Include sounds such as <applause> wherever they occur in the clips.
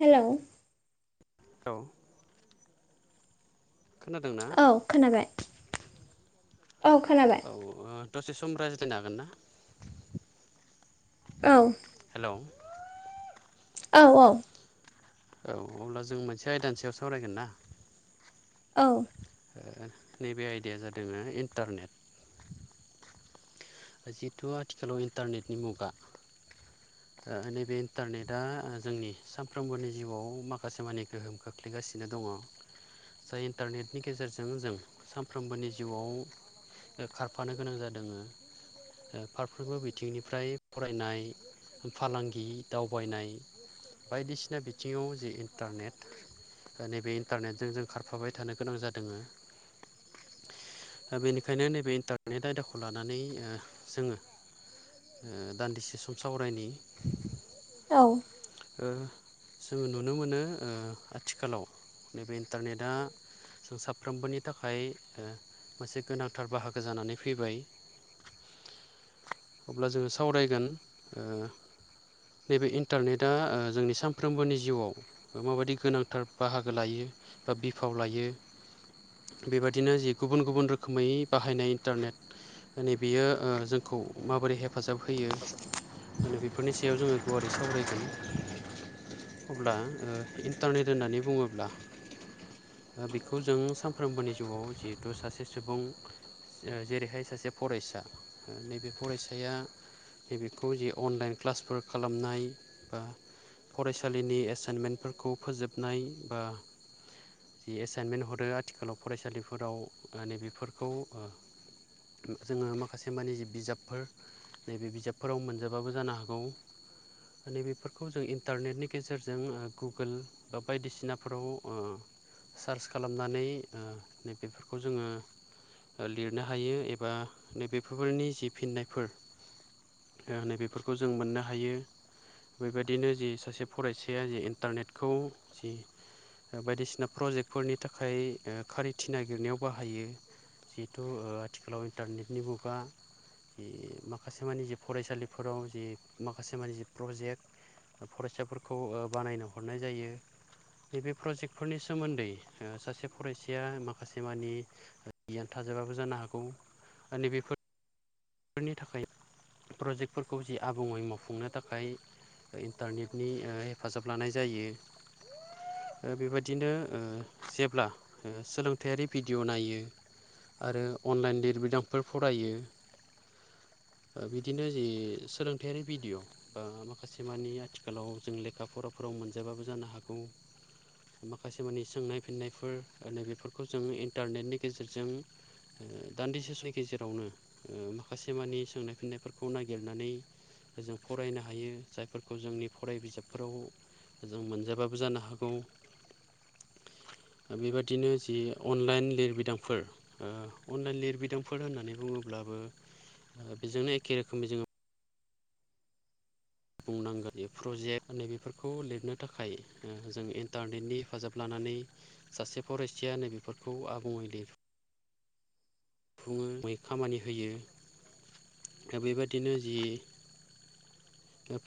हेल' औ खोनादों ना औ खोनाबाय औ खोनाबाय औ दसे सम रायज्लायनो हागोन ना? औ हेल' औ औ औ अब्ला जों मोनसे आयदानि सायाव सावरायगोन ना? औ ओ नैबे आयदाया जादों इन्टारनेट जिहेतु आथिखालाव इन्टारनेटनि मुगा नैबे इन्टारनेटआ जोंनि सानफ्रोमबोनि जिउआव माखासे मानि गोहोम खोख खोख्लैगासिनो दङ। जाय इन्टारनेटनि गेजेरजों जों सानफ्रोमबोनि जिउआव ओ खारफानो गोनां जादों ओ फारफ्रोमबो बिथिंनिफ्राय फरायनाय फालांगि दावबायनाय बायदिसिना बिथिङाव जे इन्टारनेट नैबे इन्टारनेटजों जों खारफाबाय थानो गोनां जादों। बेनिखायनो नैबे इन्टारनेट आयदाखौ लानानै जोङो ओ दान्दिसे सम सावरायनायनि औ ओ जोङो नुनो मोनो आथिखालाव नैबे इन्टारनेटआ जों साफ्रोमबोनि थाखाय ओ मोनसे गोनांथार बाहागो जानानै फैबाय। अब्ला जोङो सावरायगोन नैबे इन्टारनेट दा ओ जोंनि सानफ्रोमबोनि जिउआव माबायदि गोनांथार बाहागो लायो बा बिफाव लायो बेबादिनो जि गुबुन गुबुन रोखोमै बाहायनाय इन्टारनेट नै बियो ओ जोंखौ माबोरै हेफाजाब होयो माने बेफोरनि सायाव जोङो गुवारै सावरायगोन अब्ला इन्टारनेट होननानै बुङोब्ला। बेखौ जों सानफ्रोमबोनि जिउआव जिहेथु सासे सुबुं जेरैहाय सासे फरायसा नैबे फरायसाया नैबेखौ जे अनलाइन क्लासफोर खालामनायो बा फरायसालिनि एसाइनमेन्टफोरखौ फोजोबनाय बा ओ जि एसाइनमेन्ट हरो आथिखालाव फरायसालिफोराव नैबेफोरखौ ओ थ' जोङो माखासे मानि जि बिजाबफोर नैबे बिजाबफोराव मोनजाबाबो जानो हागौ नै बेफोरखौ जों इन्टारनेटनि गेजेरजों गुगोल बा बायदिसिनाफोराव ओ सार्च खालामनानै नै बेफोरखौ जोङो ओ लिरनो हायो एबा नैबेफोरनि जि फिननायफोर है बेफोरखौ जों मोननो हायो। बेबायदिनो जि सासे फरायसाया जि इन्टारनेटखौ बायदिसिना प्रजेक्टफोरनि थाखाय खारिथि ओ नागिरनायाव बाहायो नागि जिहेथु आथिखालाव इन्टारनेटनि मुगा जे माखासे मानि जि फरायसालिफोराव जे माखासे माने जि प्रजेक्ट फरायसाफोरखौ ओ बानायनो हरनाय जायो। नैबे प्रजेक्टफोरनि सोमोनदै ओ सासे फरायसाया माखासे मानि ओ <unintelligible> यानो थाजाबाबो जानो हागौ आरो ओंखायनो‌ बेफोर फोरनि थाखाय प्रजेक्टफोरखौ जि आबुङै मावफुंनो थाखायो इन्टारनेटनि ओ हेफाजाब लानाय जायो ओ बेबायदिनो ओ जेब्ला सोलोंथायारि भिडिय' नायो आरो अनलाइन लिरबिदांफोर फरायो। ओ बिदिनो जे सोलोंथायारि भिडिय' बा माखासे मानि आथिखालाव जों लेखा फराफोराव मोनजाबाबो जानो हागौ। माखासे मानि सोंनाय फिन्नायफोर आरो बेफोरखौ जों इन्टारनेटनि गेजेरजों दानदिसे समनि गेजेरावनो माखासे मानि सोंनाय फिननायफोरखौ नागिरनानै जों फरायनो हायो जायफोरखौ जोंनि फराय बिजाबफोराव जों मोनजोबाबो जानो हागौ। दा बेबादिनो जि अनलाइन लिरबिदांफोर ओ अनलाइन लिरबिदांफोर होननानै बुङोब्लाबो बिजोंनो एखे रोखोमनि बे जोङो बुंनांगोन बे प्रजेक्ट नैबेफोरखौ लिरनो थाखाय जों इन्टारनेटनि हेफाजाब लानानैबो सासे फरायसाया नैबेफोरखौ आबुङै लि फुङो बै खामानि होयो। दा बेबादिनो जि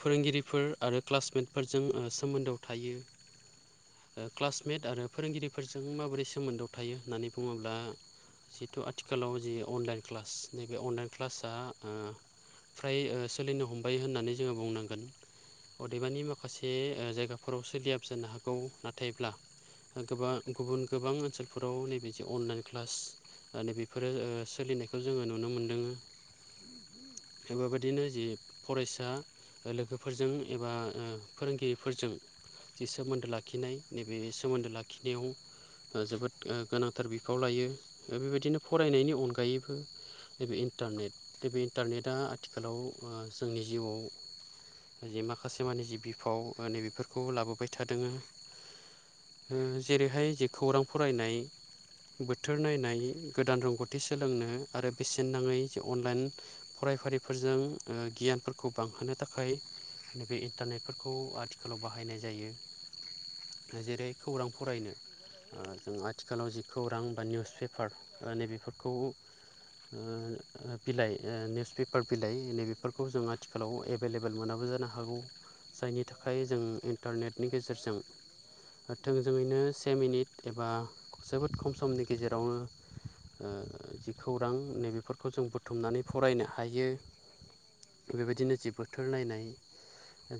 फोरोंगिरिफोर आरो क्लासमेटफोरजों सोमोनदोआव थायो ओ क्लासमेट आरो फोरोंगिरिफोरजों माबोरै सोमोनदोयाव थायो होननानै बुङोब्ला। जिहेतु आथिखालाव जि अनलाइन क्लास नैबे अनलाइन क्लास दा ओ फ्राय ओ सोलिनो हमबाय होननानै जोङो बुंनांगोन। अदेबानि माखासे ओ जायगाफोराव सोलियाब जानो हागौ नाथायब्ला दा गोबां गुबुन गोबां ओनसोलफोराव नैबेदि अनलाइन क्लास आरो बेफोरो सोलिनायखौ जोङो नुनो मोन्दों बे बेबायदिनो जि फरायसा लोगोफोरजों एबा फोरोंगिरिफोरजों जि सोमोनदो लाखिनाय नैबे सोमोनदो लाखिनायावो जोबोद गोनांथार बिफाव लायो बेबायदिनो फरायनायनि अनगायैबो नैबे इन्टारनेट नैबे इन्टारनेटआ आथिखालाव जोंनि जिउआवो जि माखासे मानिे जि बिफाव नै बेफोरखौ लाबोबाय थादों। जेरैहाय जे खौरां फरायनाय बोथोर नायनाय गोदान रोंगौथि सोलोंनो आरो बेसेन नाङै जे अनलाइन फरायफारिफोरजों गियानफोरखौ बांहोनो थाखाय नैबे इन्टारनेटफोरखौ आथिखालाव बाहायनाय जायो। जेरै खौरां फरायनो जों आथिखालाव जि खौरां बा निउस पेपार नैबेफोरखौ ओ। बिलाइ निउस पेपार बिलाइ नैबेफोरखौ जों आथिखालाव एभेलेबेल मोनाबो जानो हागौ। जायनि थाखाय जों इन्टारनेटनि गेजेरजों थोंजोङैनो से मिनिट एबा जोबोद खम समनि गेजेरावनो ओ जि खौरां नैबेफोर खौ जों बुथुमनानै फरायनो हायो बेबायदिनो जि बोथोर नायनाय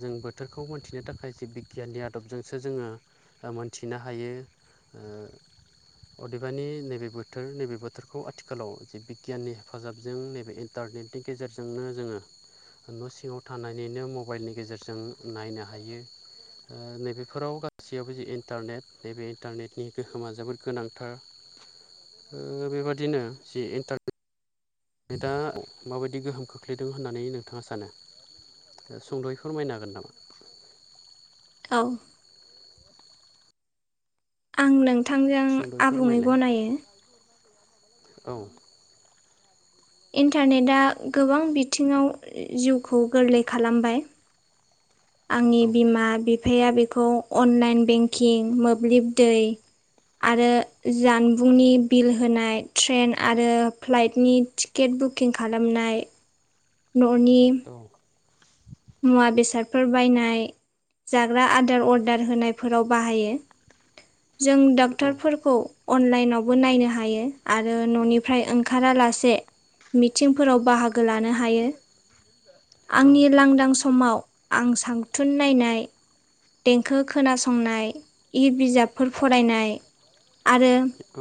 जों बोथोरखौ मोनथिनो थाखाय जे बिगियाननि आदबजोंसो जोङो ओ मोनथिनो हायो ओ। अदेबानि नैबे बोथोर नैबे बोथोरखौ आथिखालाव जि बिगियाननि हेफाजाबजों नैबे इन्टारनेटनि गेजेरजोंनो जोङो न' सिङाव थानानैनो मबाइलनि गेजेरजों नायनो हायो। ओ नैबेफोराव गासैयावबो जि इन्टारनेट नैबे इन्टारनेटनि गोहोमा जोबोद गोनांथार। ओम बेबादिनो जि इन्टार नोंथांङा माबादि गोहोम खोख्लैदों होननानै नोंथाङा सानो? सुंद'यै फोरमायनो हागोन नामा? औ। आं नोंथांजों सुंद'यै आबुङै फोरमायलाय गनायो। औ। इन्टारनेदा गोबां बिथिङाव जिउखौ गोरलै खालामबाय। आंनि औ बिमा-बिफाया बेखौ अनलाइन बेंखिं मोब्लिब दै। आरो जानबुंनि बिल होनाय ट्रेन आरो फ्लाइटनि थिख टिकेट बुकिं खालामनाय न'नि औ। मुवा बेसादफोर बायनाय जाग्रा आदार अर्दार होनायफोराव बाहायो। जों औ डाक्टारफोरखौ अनलाइनावबो नायनो हायो आरो न'निफ्राय ओंखारालासे मिथिंफोराव बाहागो लानो हायो। आंनि लां समाव आं सांथुन नायनाय। देंखो खोनासंनाय इ बिजाब। फोर फरायनाय आरो औ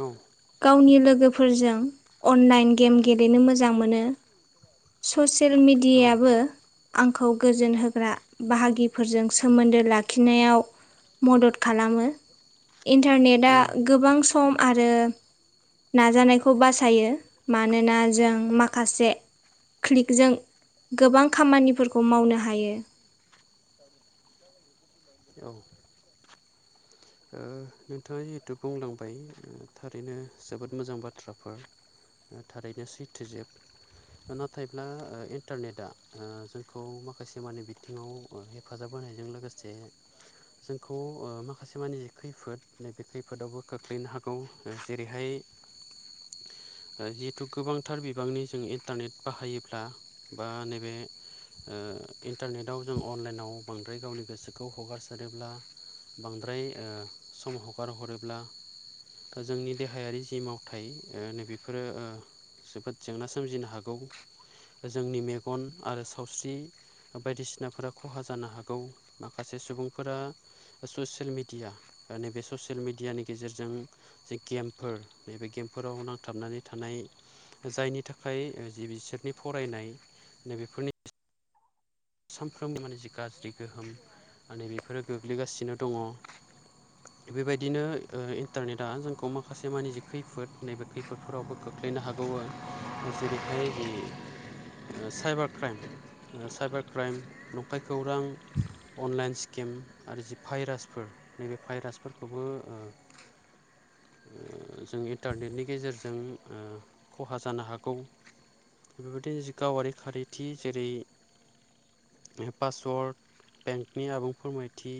गावनि लोगोफोरजों अनलाइन गेम गेलेनो मोजां मोनो। ससियेल मिडियायाबो आंखौ गोजोन होग्रा बाहागिफोरजों सोमोन्दो लाखिनायाव मदद खालामो इन्टारनेटआ उम गोबां स सम आरो नाजानायखौ बासायो। मानोना जों माखासे क्लिकजों गोबां खामानिफोरखौ मावनो हायो। औ ओ नोंथाङा जिहेथु बुंलांबाय थारैनो जोबोद मोजां बाथ्राफोर। थारैनो सैथोजोब। नाथायब्ला ओ इन्टारनेटआ ओ जोंखौ माखासे मानि बिथिङाव हेफाजाब होनायजों लोगोसे जोंखौ ओ माखा माखासे मानि जि खैफोद नैबे खैफोदावबो खोख्लैनो हागौ। जेरैहाय ओ जिहेतु गोबांथार बिबांनि जों इन्टारनेट बाहायोब्ला। बा, नैबे ओ इन्टारनेटआव जों अनलाइनाव बांद्राय गावनि गोसोखौ हगारसारोब्ला, बांद्राय ओ सम हगार हरोब्ला, ओ जोंनि देहायारि जि मावथाय, ओ नैबेफोरो ओ जोबोद जेंना सोमजिनो हागौ जोंनि मेगन आरो सावस्रि। बायदिसिनाफोरा खहा जानो हागौ माखासे सुबुंफोरा ससियेल मिडिया नैबे ससियेल मिडियानि गेजेरजों जे गेमफोर नैबे गेमफोराव नांथाबनानै थानाय जायनि थाखाय जि बिसोरनि फरायनाय, नैबेफोरनि सानफ्रोमबो माने जि गाज्रि गोहोम माने बेफोरो गोग्लैगासिनो दङ। बेबायदिनो ओ इन्टारनेटआ जोंखौ माखासे मानि जि खैफोद नैबे खैफोदफोरावबो खोख्लैनो हागौ आरो जेरैहाय बेयो साइबार क्राइम साइबार नंखाय खौरां अनलाइन स्किम आरो जि भाइरासफोर बे भाइरासफोरखौबो जों इन्टारनेटनि गेजेरजों खहा जानो हागौ बेफोरबायदिनो जि गावारि खारैथि जेरै पासवार्ड बेंकनि आबुंफोरमायथि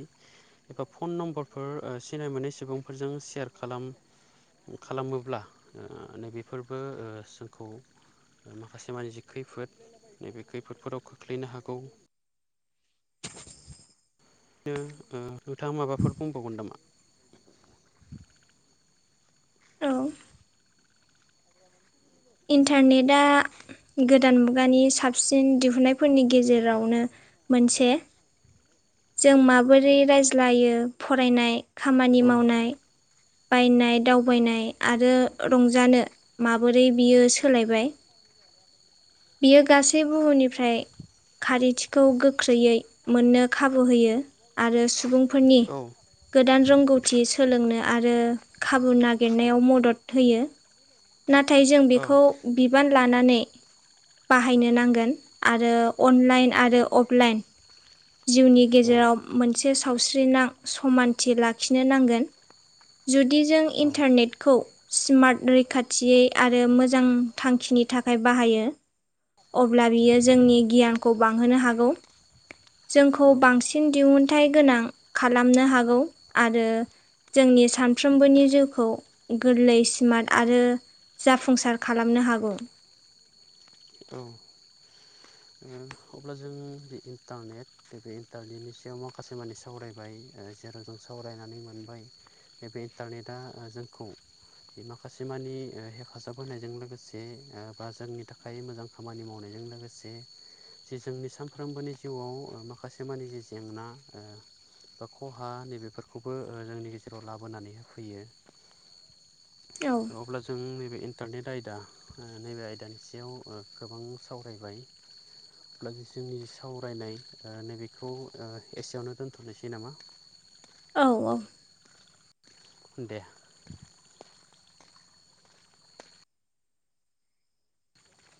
एबा फन नम्बरफोर सिनाय मोनै सुबुंफोरजों सेयार खालाम खालामोब्ला नैबेफोरबो जोंखौ माखासे मानसि खैफोद नैबे खैफोदफोराव खोख्लैनो हागौ नोंथाङा माबाफोर बुंबावगोन नामा औ इन्टारनेटआ गोदान मुगानि साबसिन दिहुननायफोरनि गेजेरावनो मोनसे जों माबोरै रायज्लायो फरायनाय खामानि औ मावनाय बायनाय दावबायनाय आरो रंजानो माबोरै बियो सोलायबाय। बियो गासै बुहुमनिफ्राय। खारिथिखौ गोख्रैयै मोननो खाबु होयो आरो सुबुंफोरनि औ गोदान रोंगौथि सोलोंनो आरो खाबु नागिरनायाव मदद होयो नाथाय जों औ बेखौ बिबान लानानै बाहायनो नांगोन आरो अनलाइन आरो अफलाइन जिउनि गेजेराव मोनसे सावस्रिनां समानथि लाखिनो नांगोन जुदि जों औ इन्टारनेटखौ स्मार्ट रैखाथियै आरो मोजां थांखिनि थाखाय बाहायो अब्ला बियो जोंनि गियानखौ बांहोनो हागौ जोंखौ औ बांसिन दिहुनथाइ गोनां खालामनो हागौ आरो जोंनि सानफ्रोमबोनि जिउखौ गोरलै स्मार्ट आरो जाफुंसार खालामनो हागौ औ अब्ला जों इन्टारनेट दा बे इन्टारनेटनि सायाव माखासेमानि सावरायबाय जेराव जों सावरायनानै मोनबाय बे इन्टारनेटआ जोंखौ बे माखासे मानि हेफाजाब होनायजों लोगोसे बा जोंनि थाखाय मोजां खामानि मावनायजों लोगोसे जे जोंनि सानफ्रोमबोनि जिउआव माखासे मानि जि जेंना बा खहा नैबेफोरखौबो जोंनि गेजेराव लाबोनानै होफैयो <inaudible> औ अब्ला जों नैबे इन्टारनेट आयदा नैबे आयदानि सायाव गोबां सावरायबाय अब्ला जोंनि सावरायनाय ओ नैबेखौ ओ एसेयावनो दोनथ'नोसै नामा औ औ दे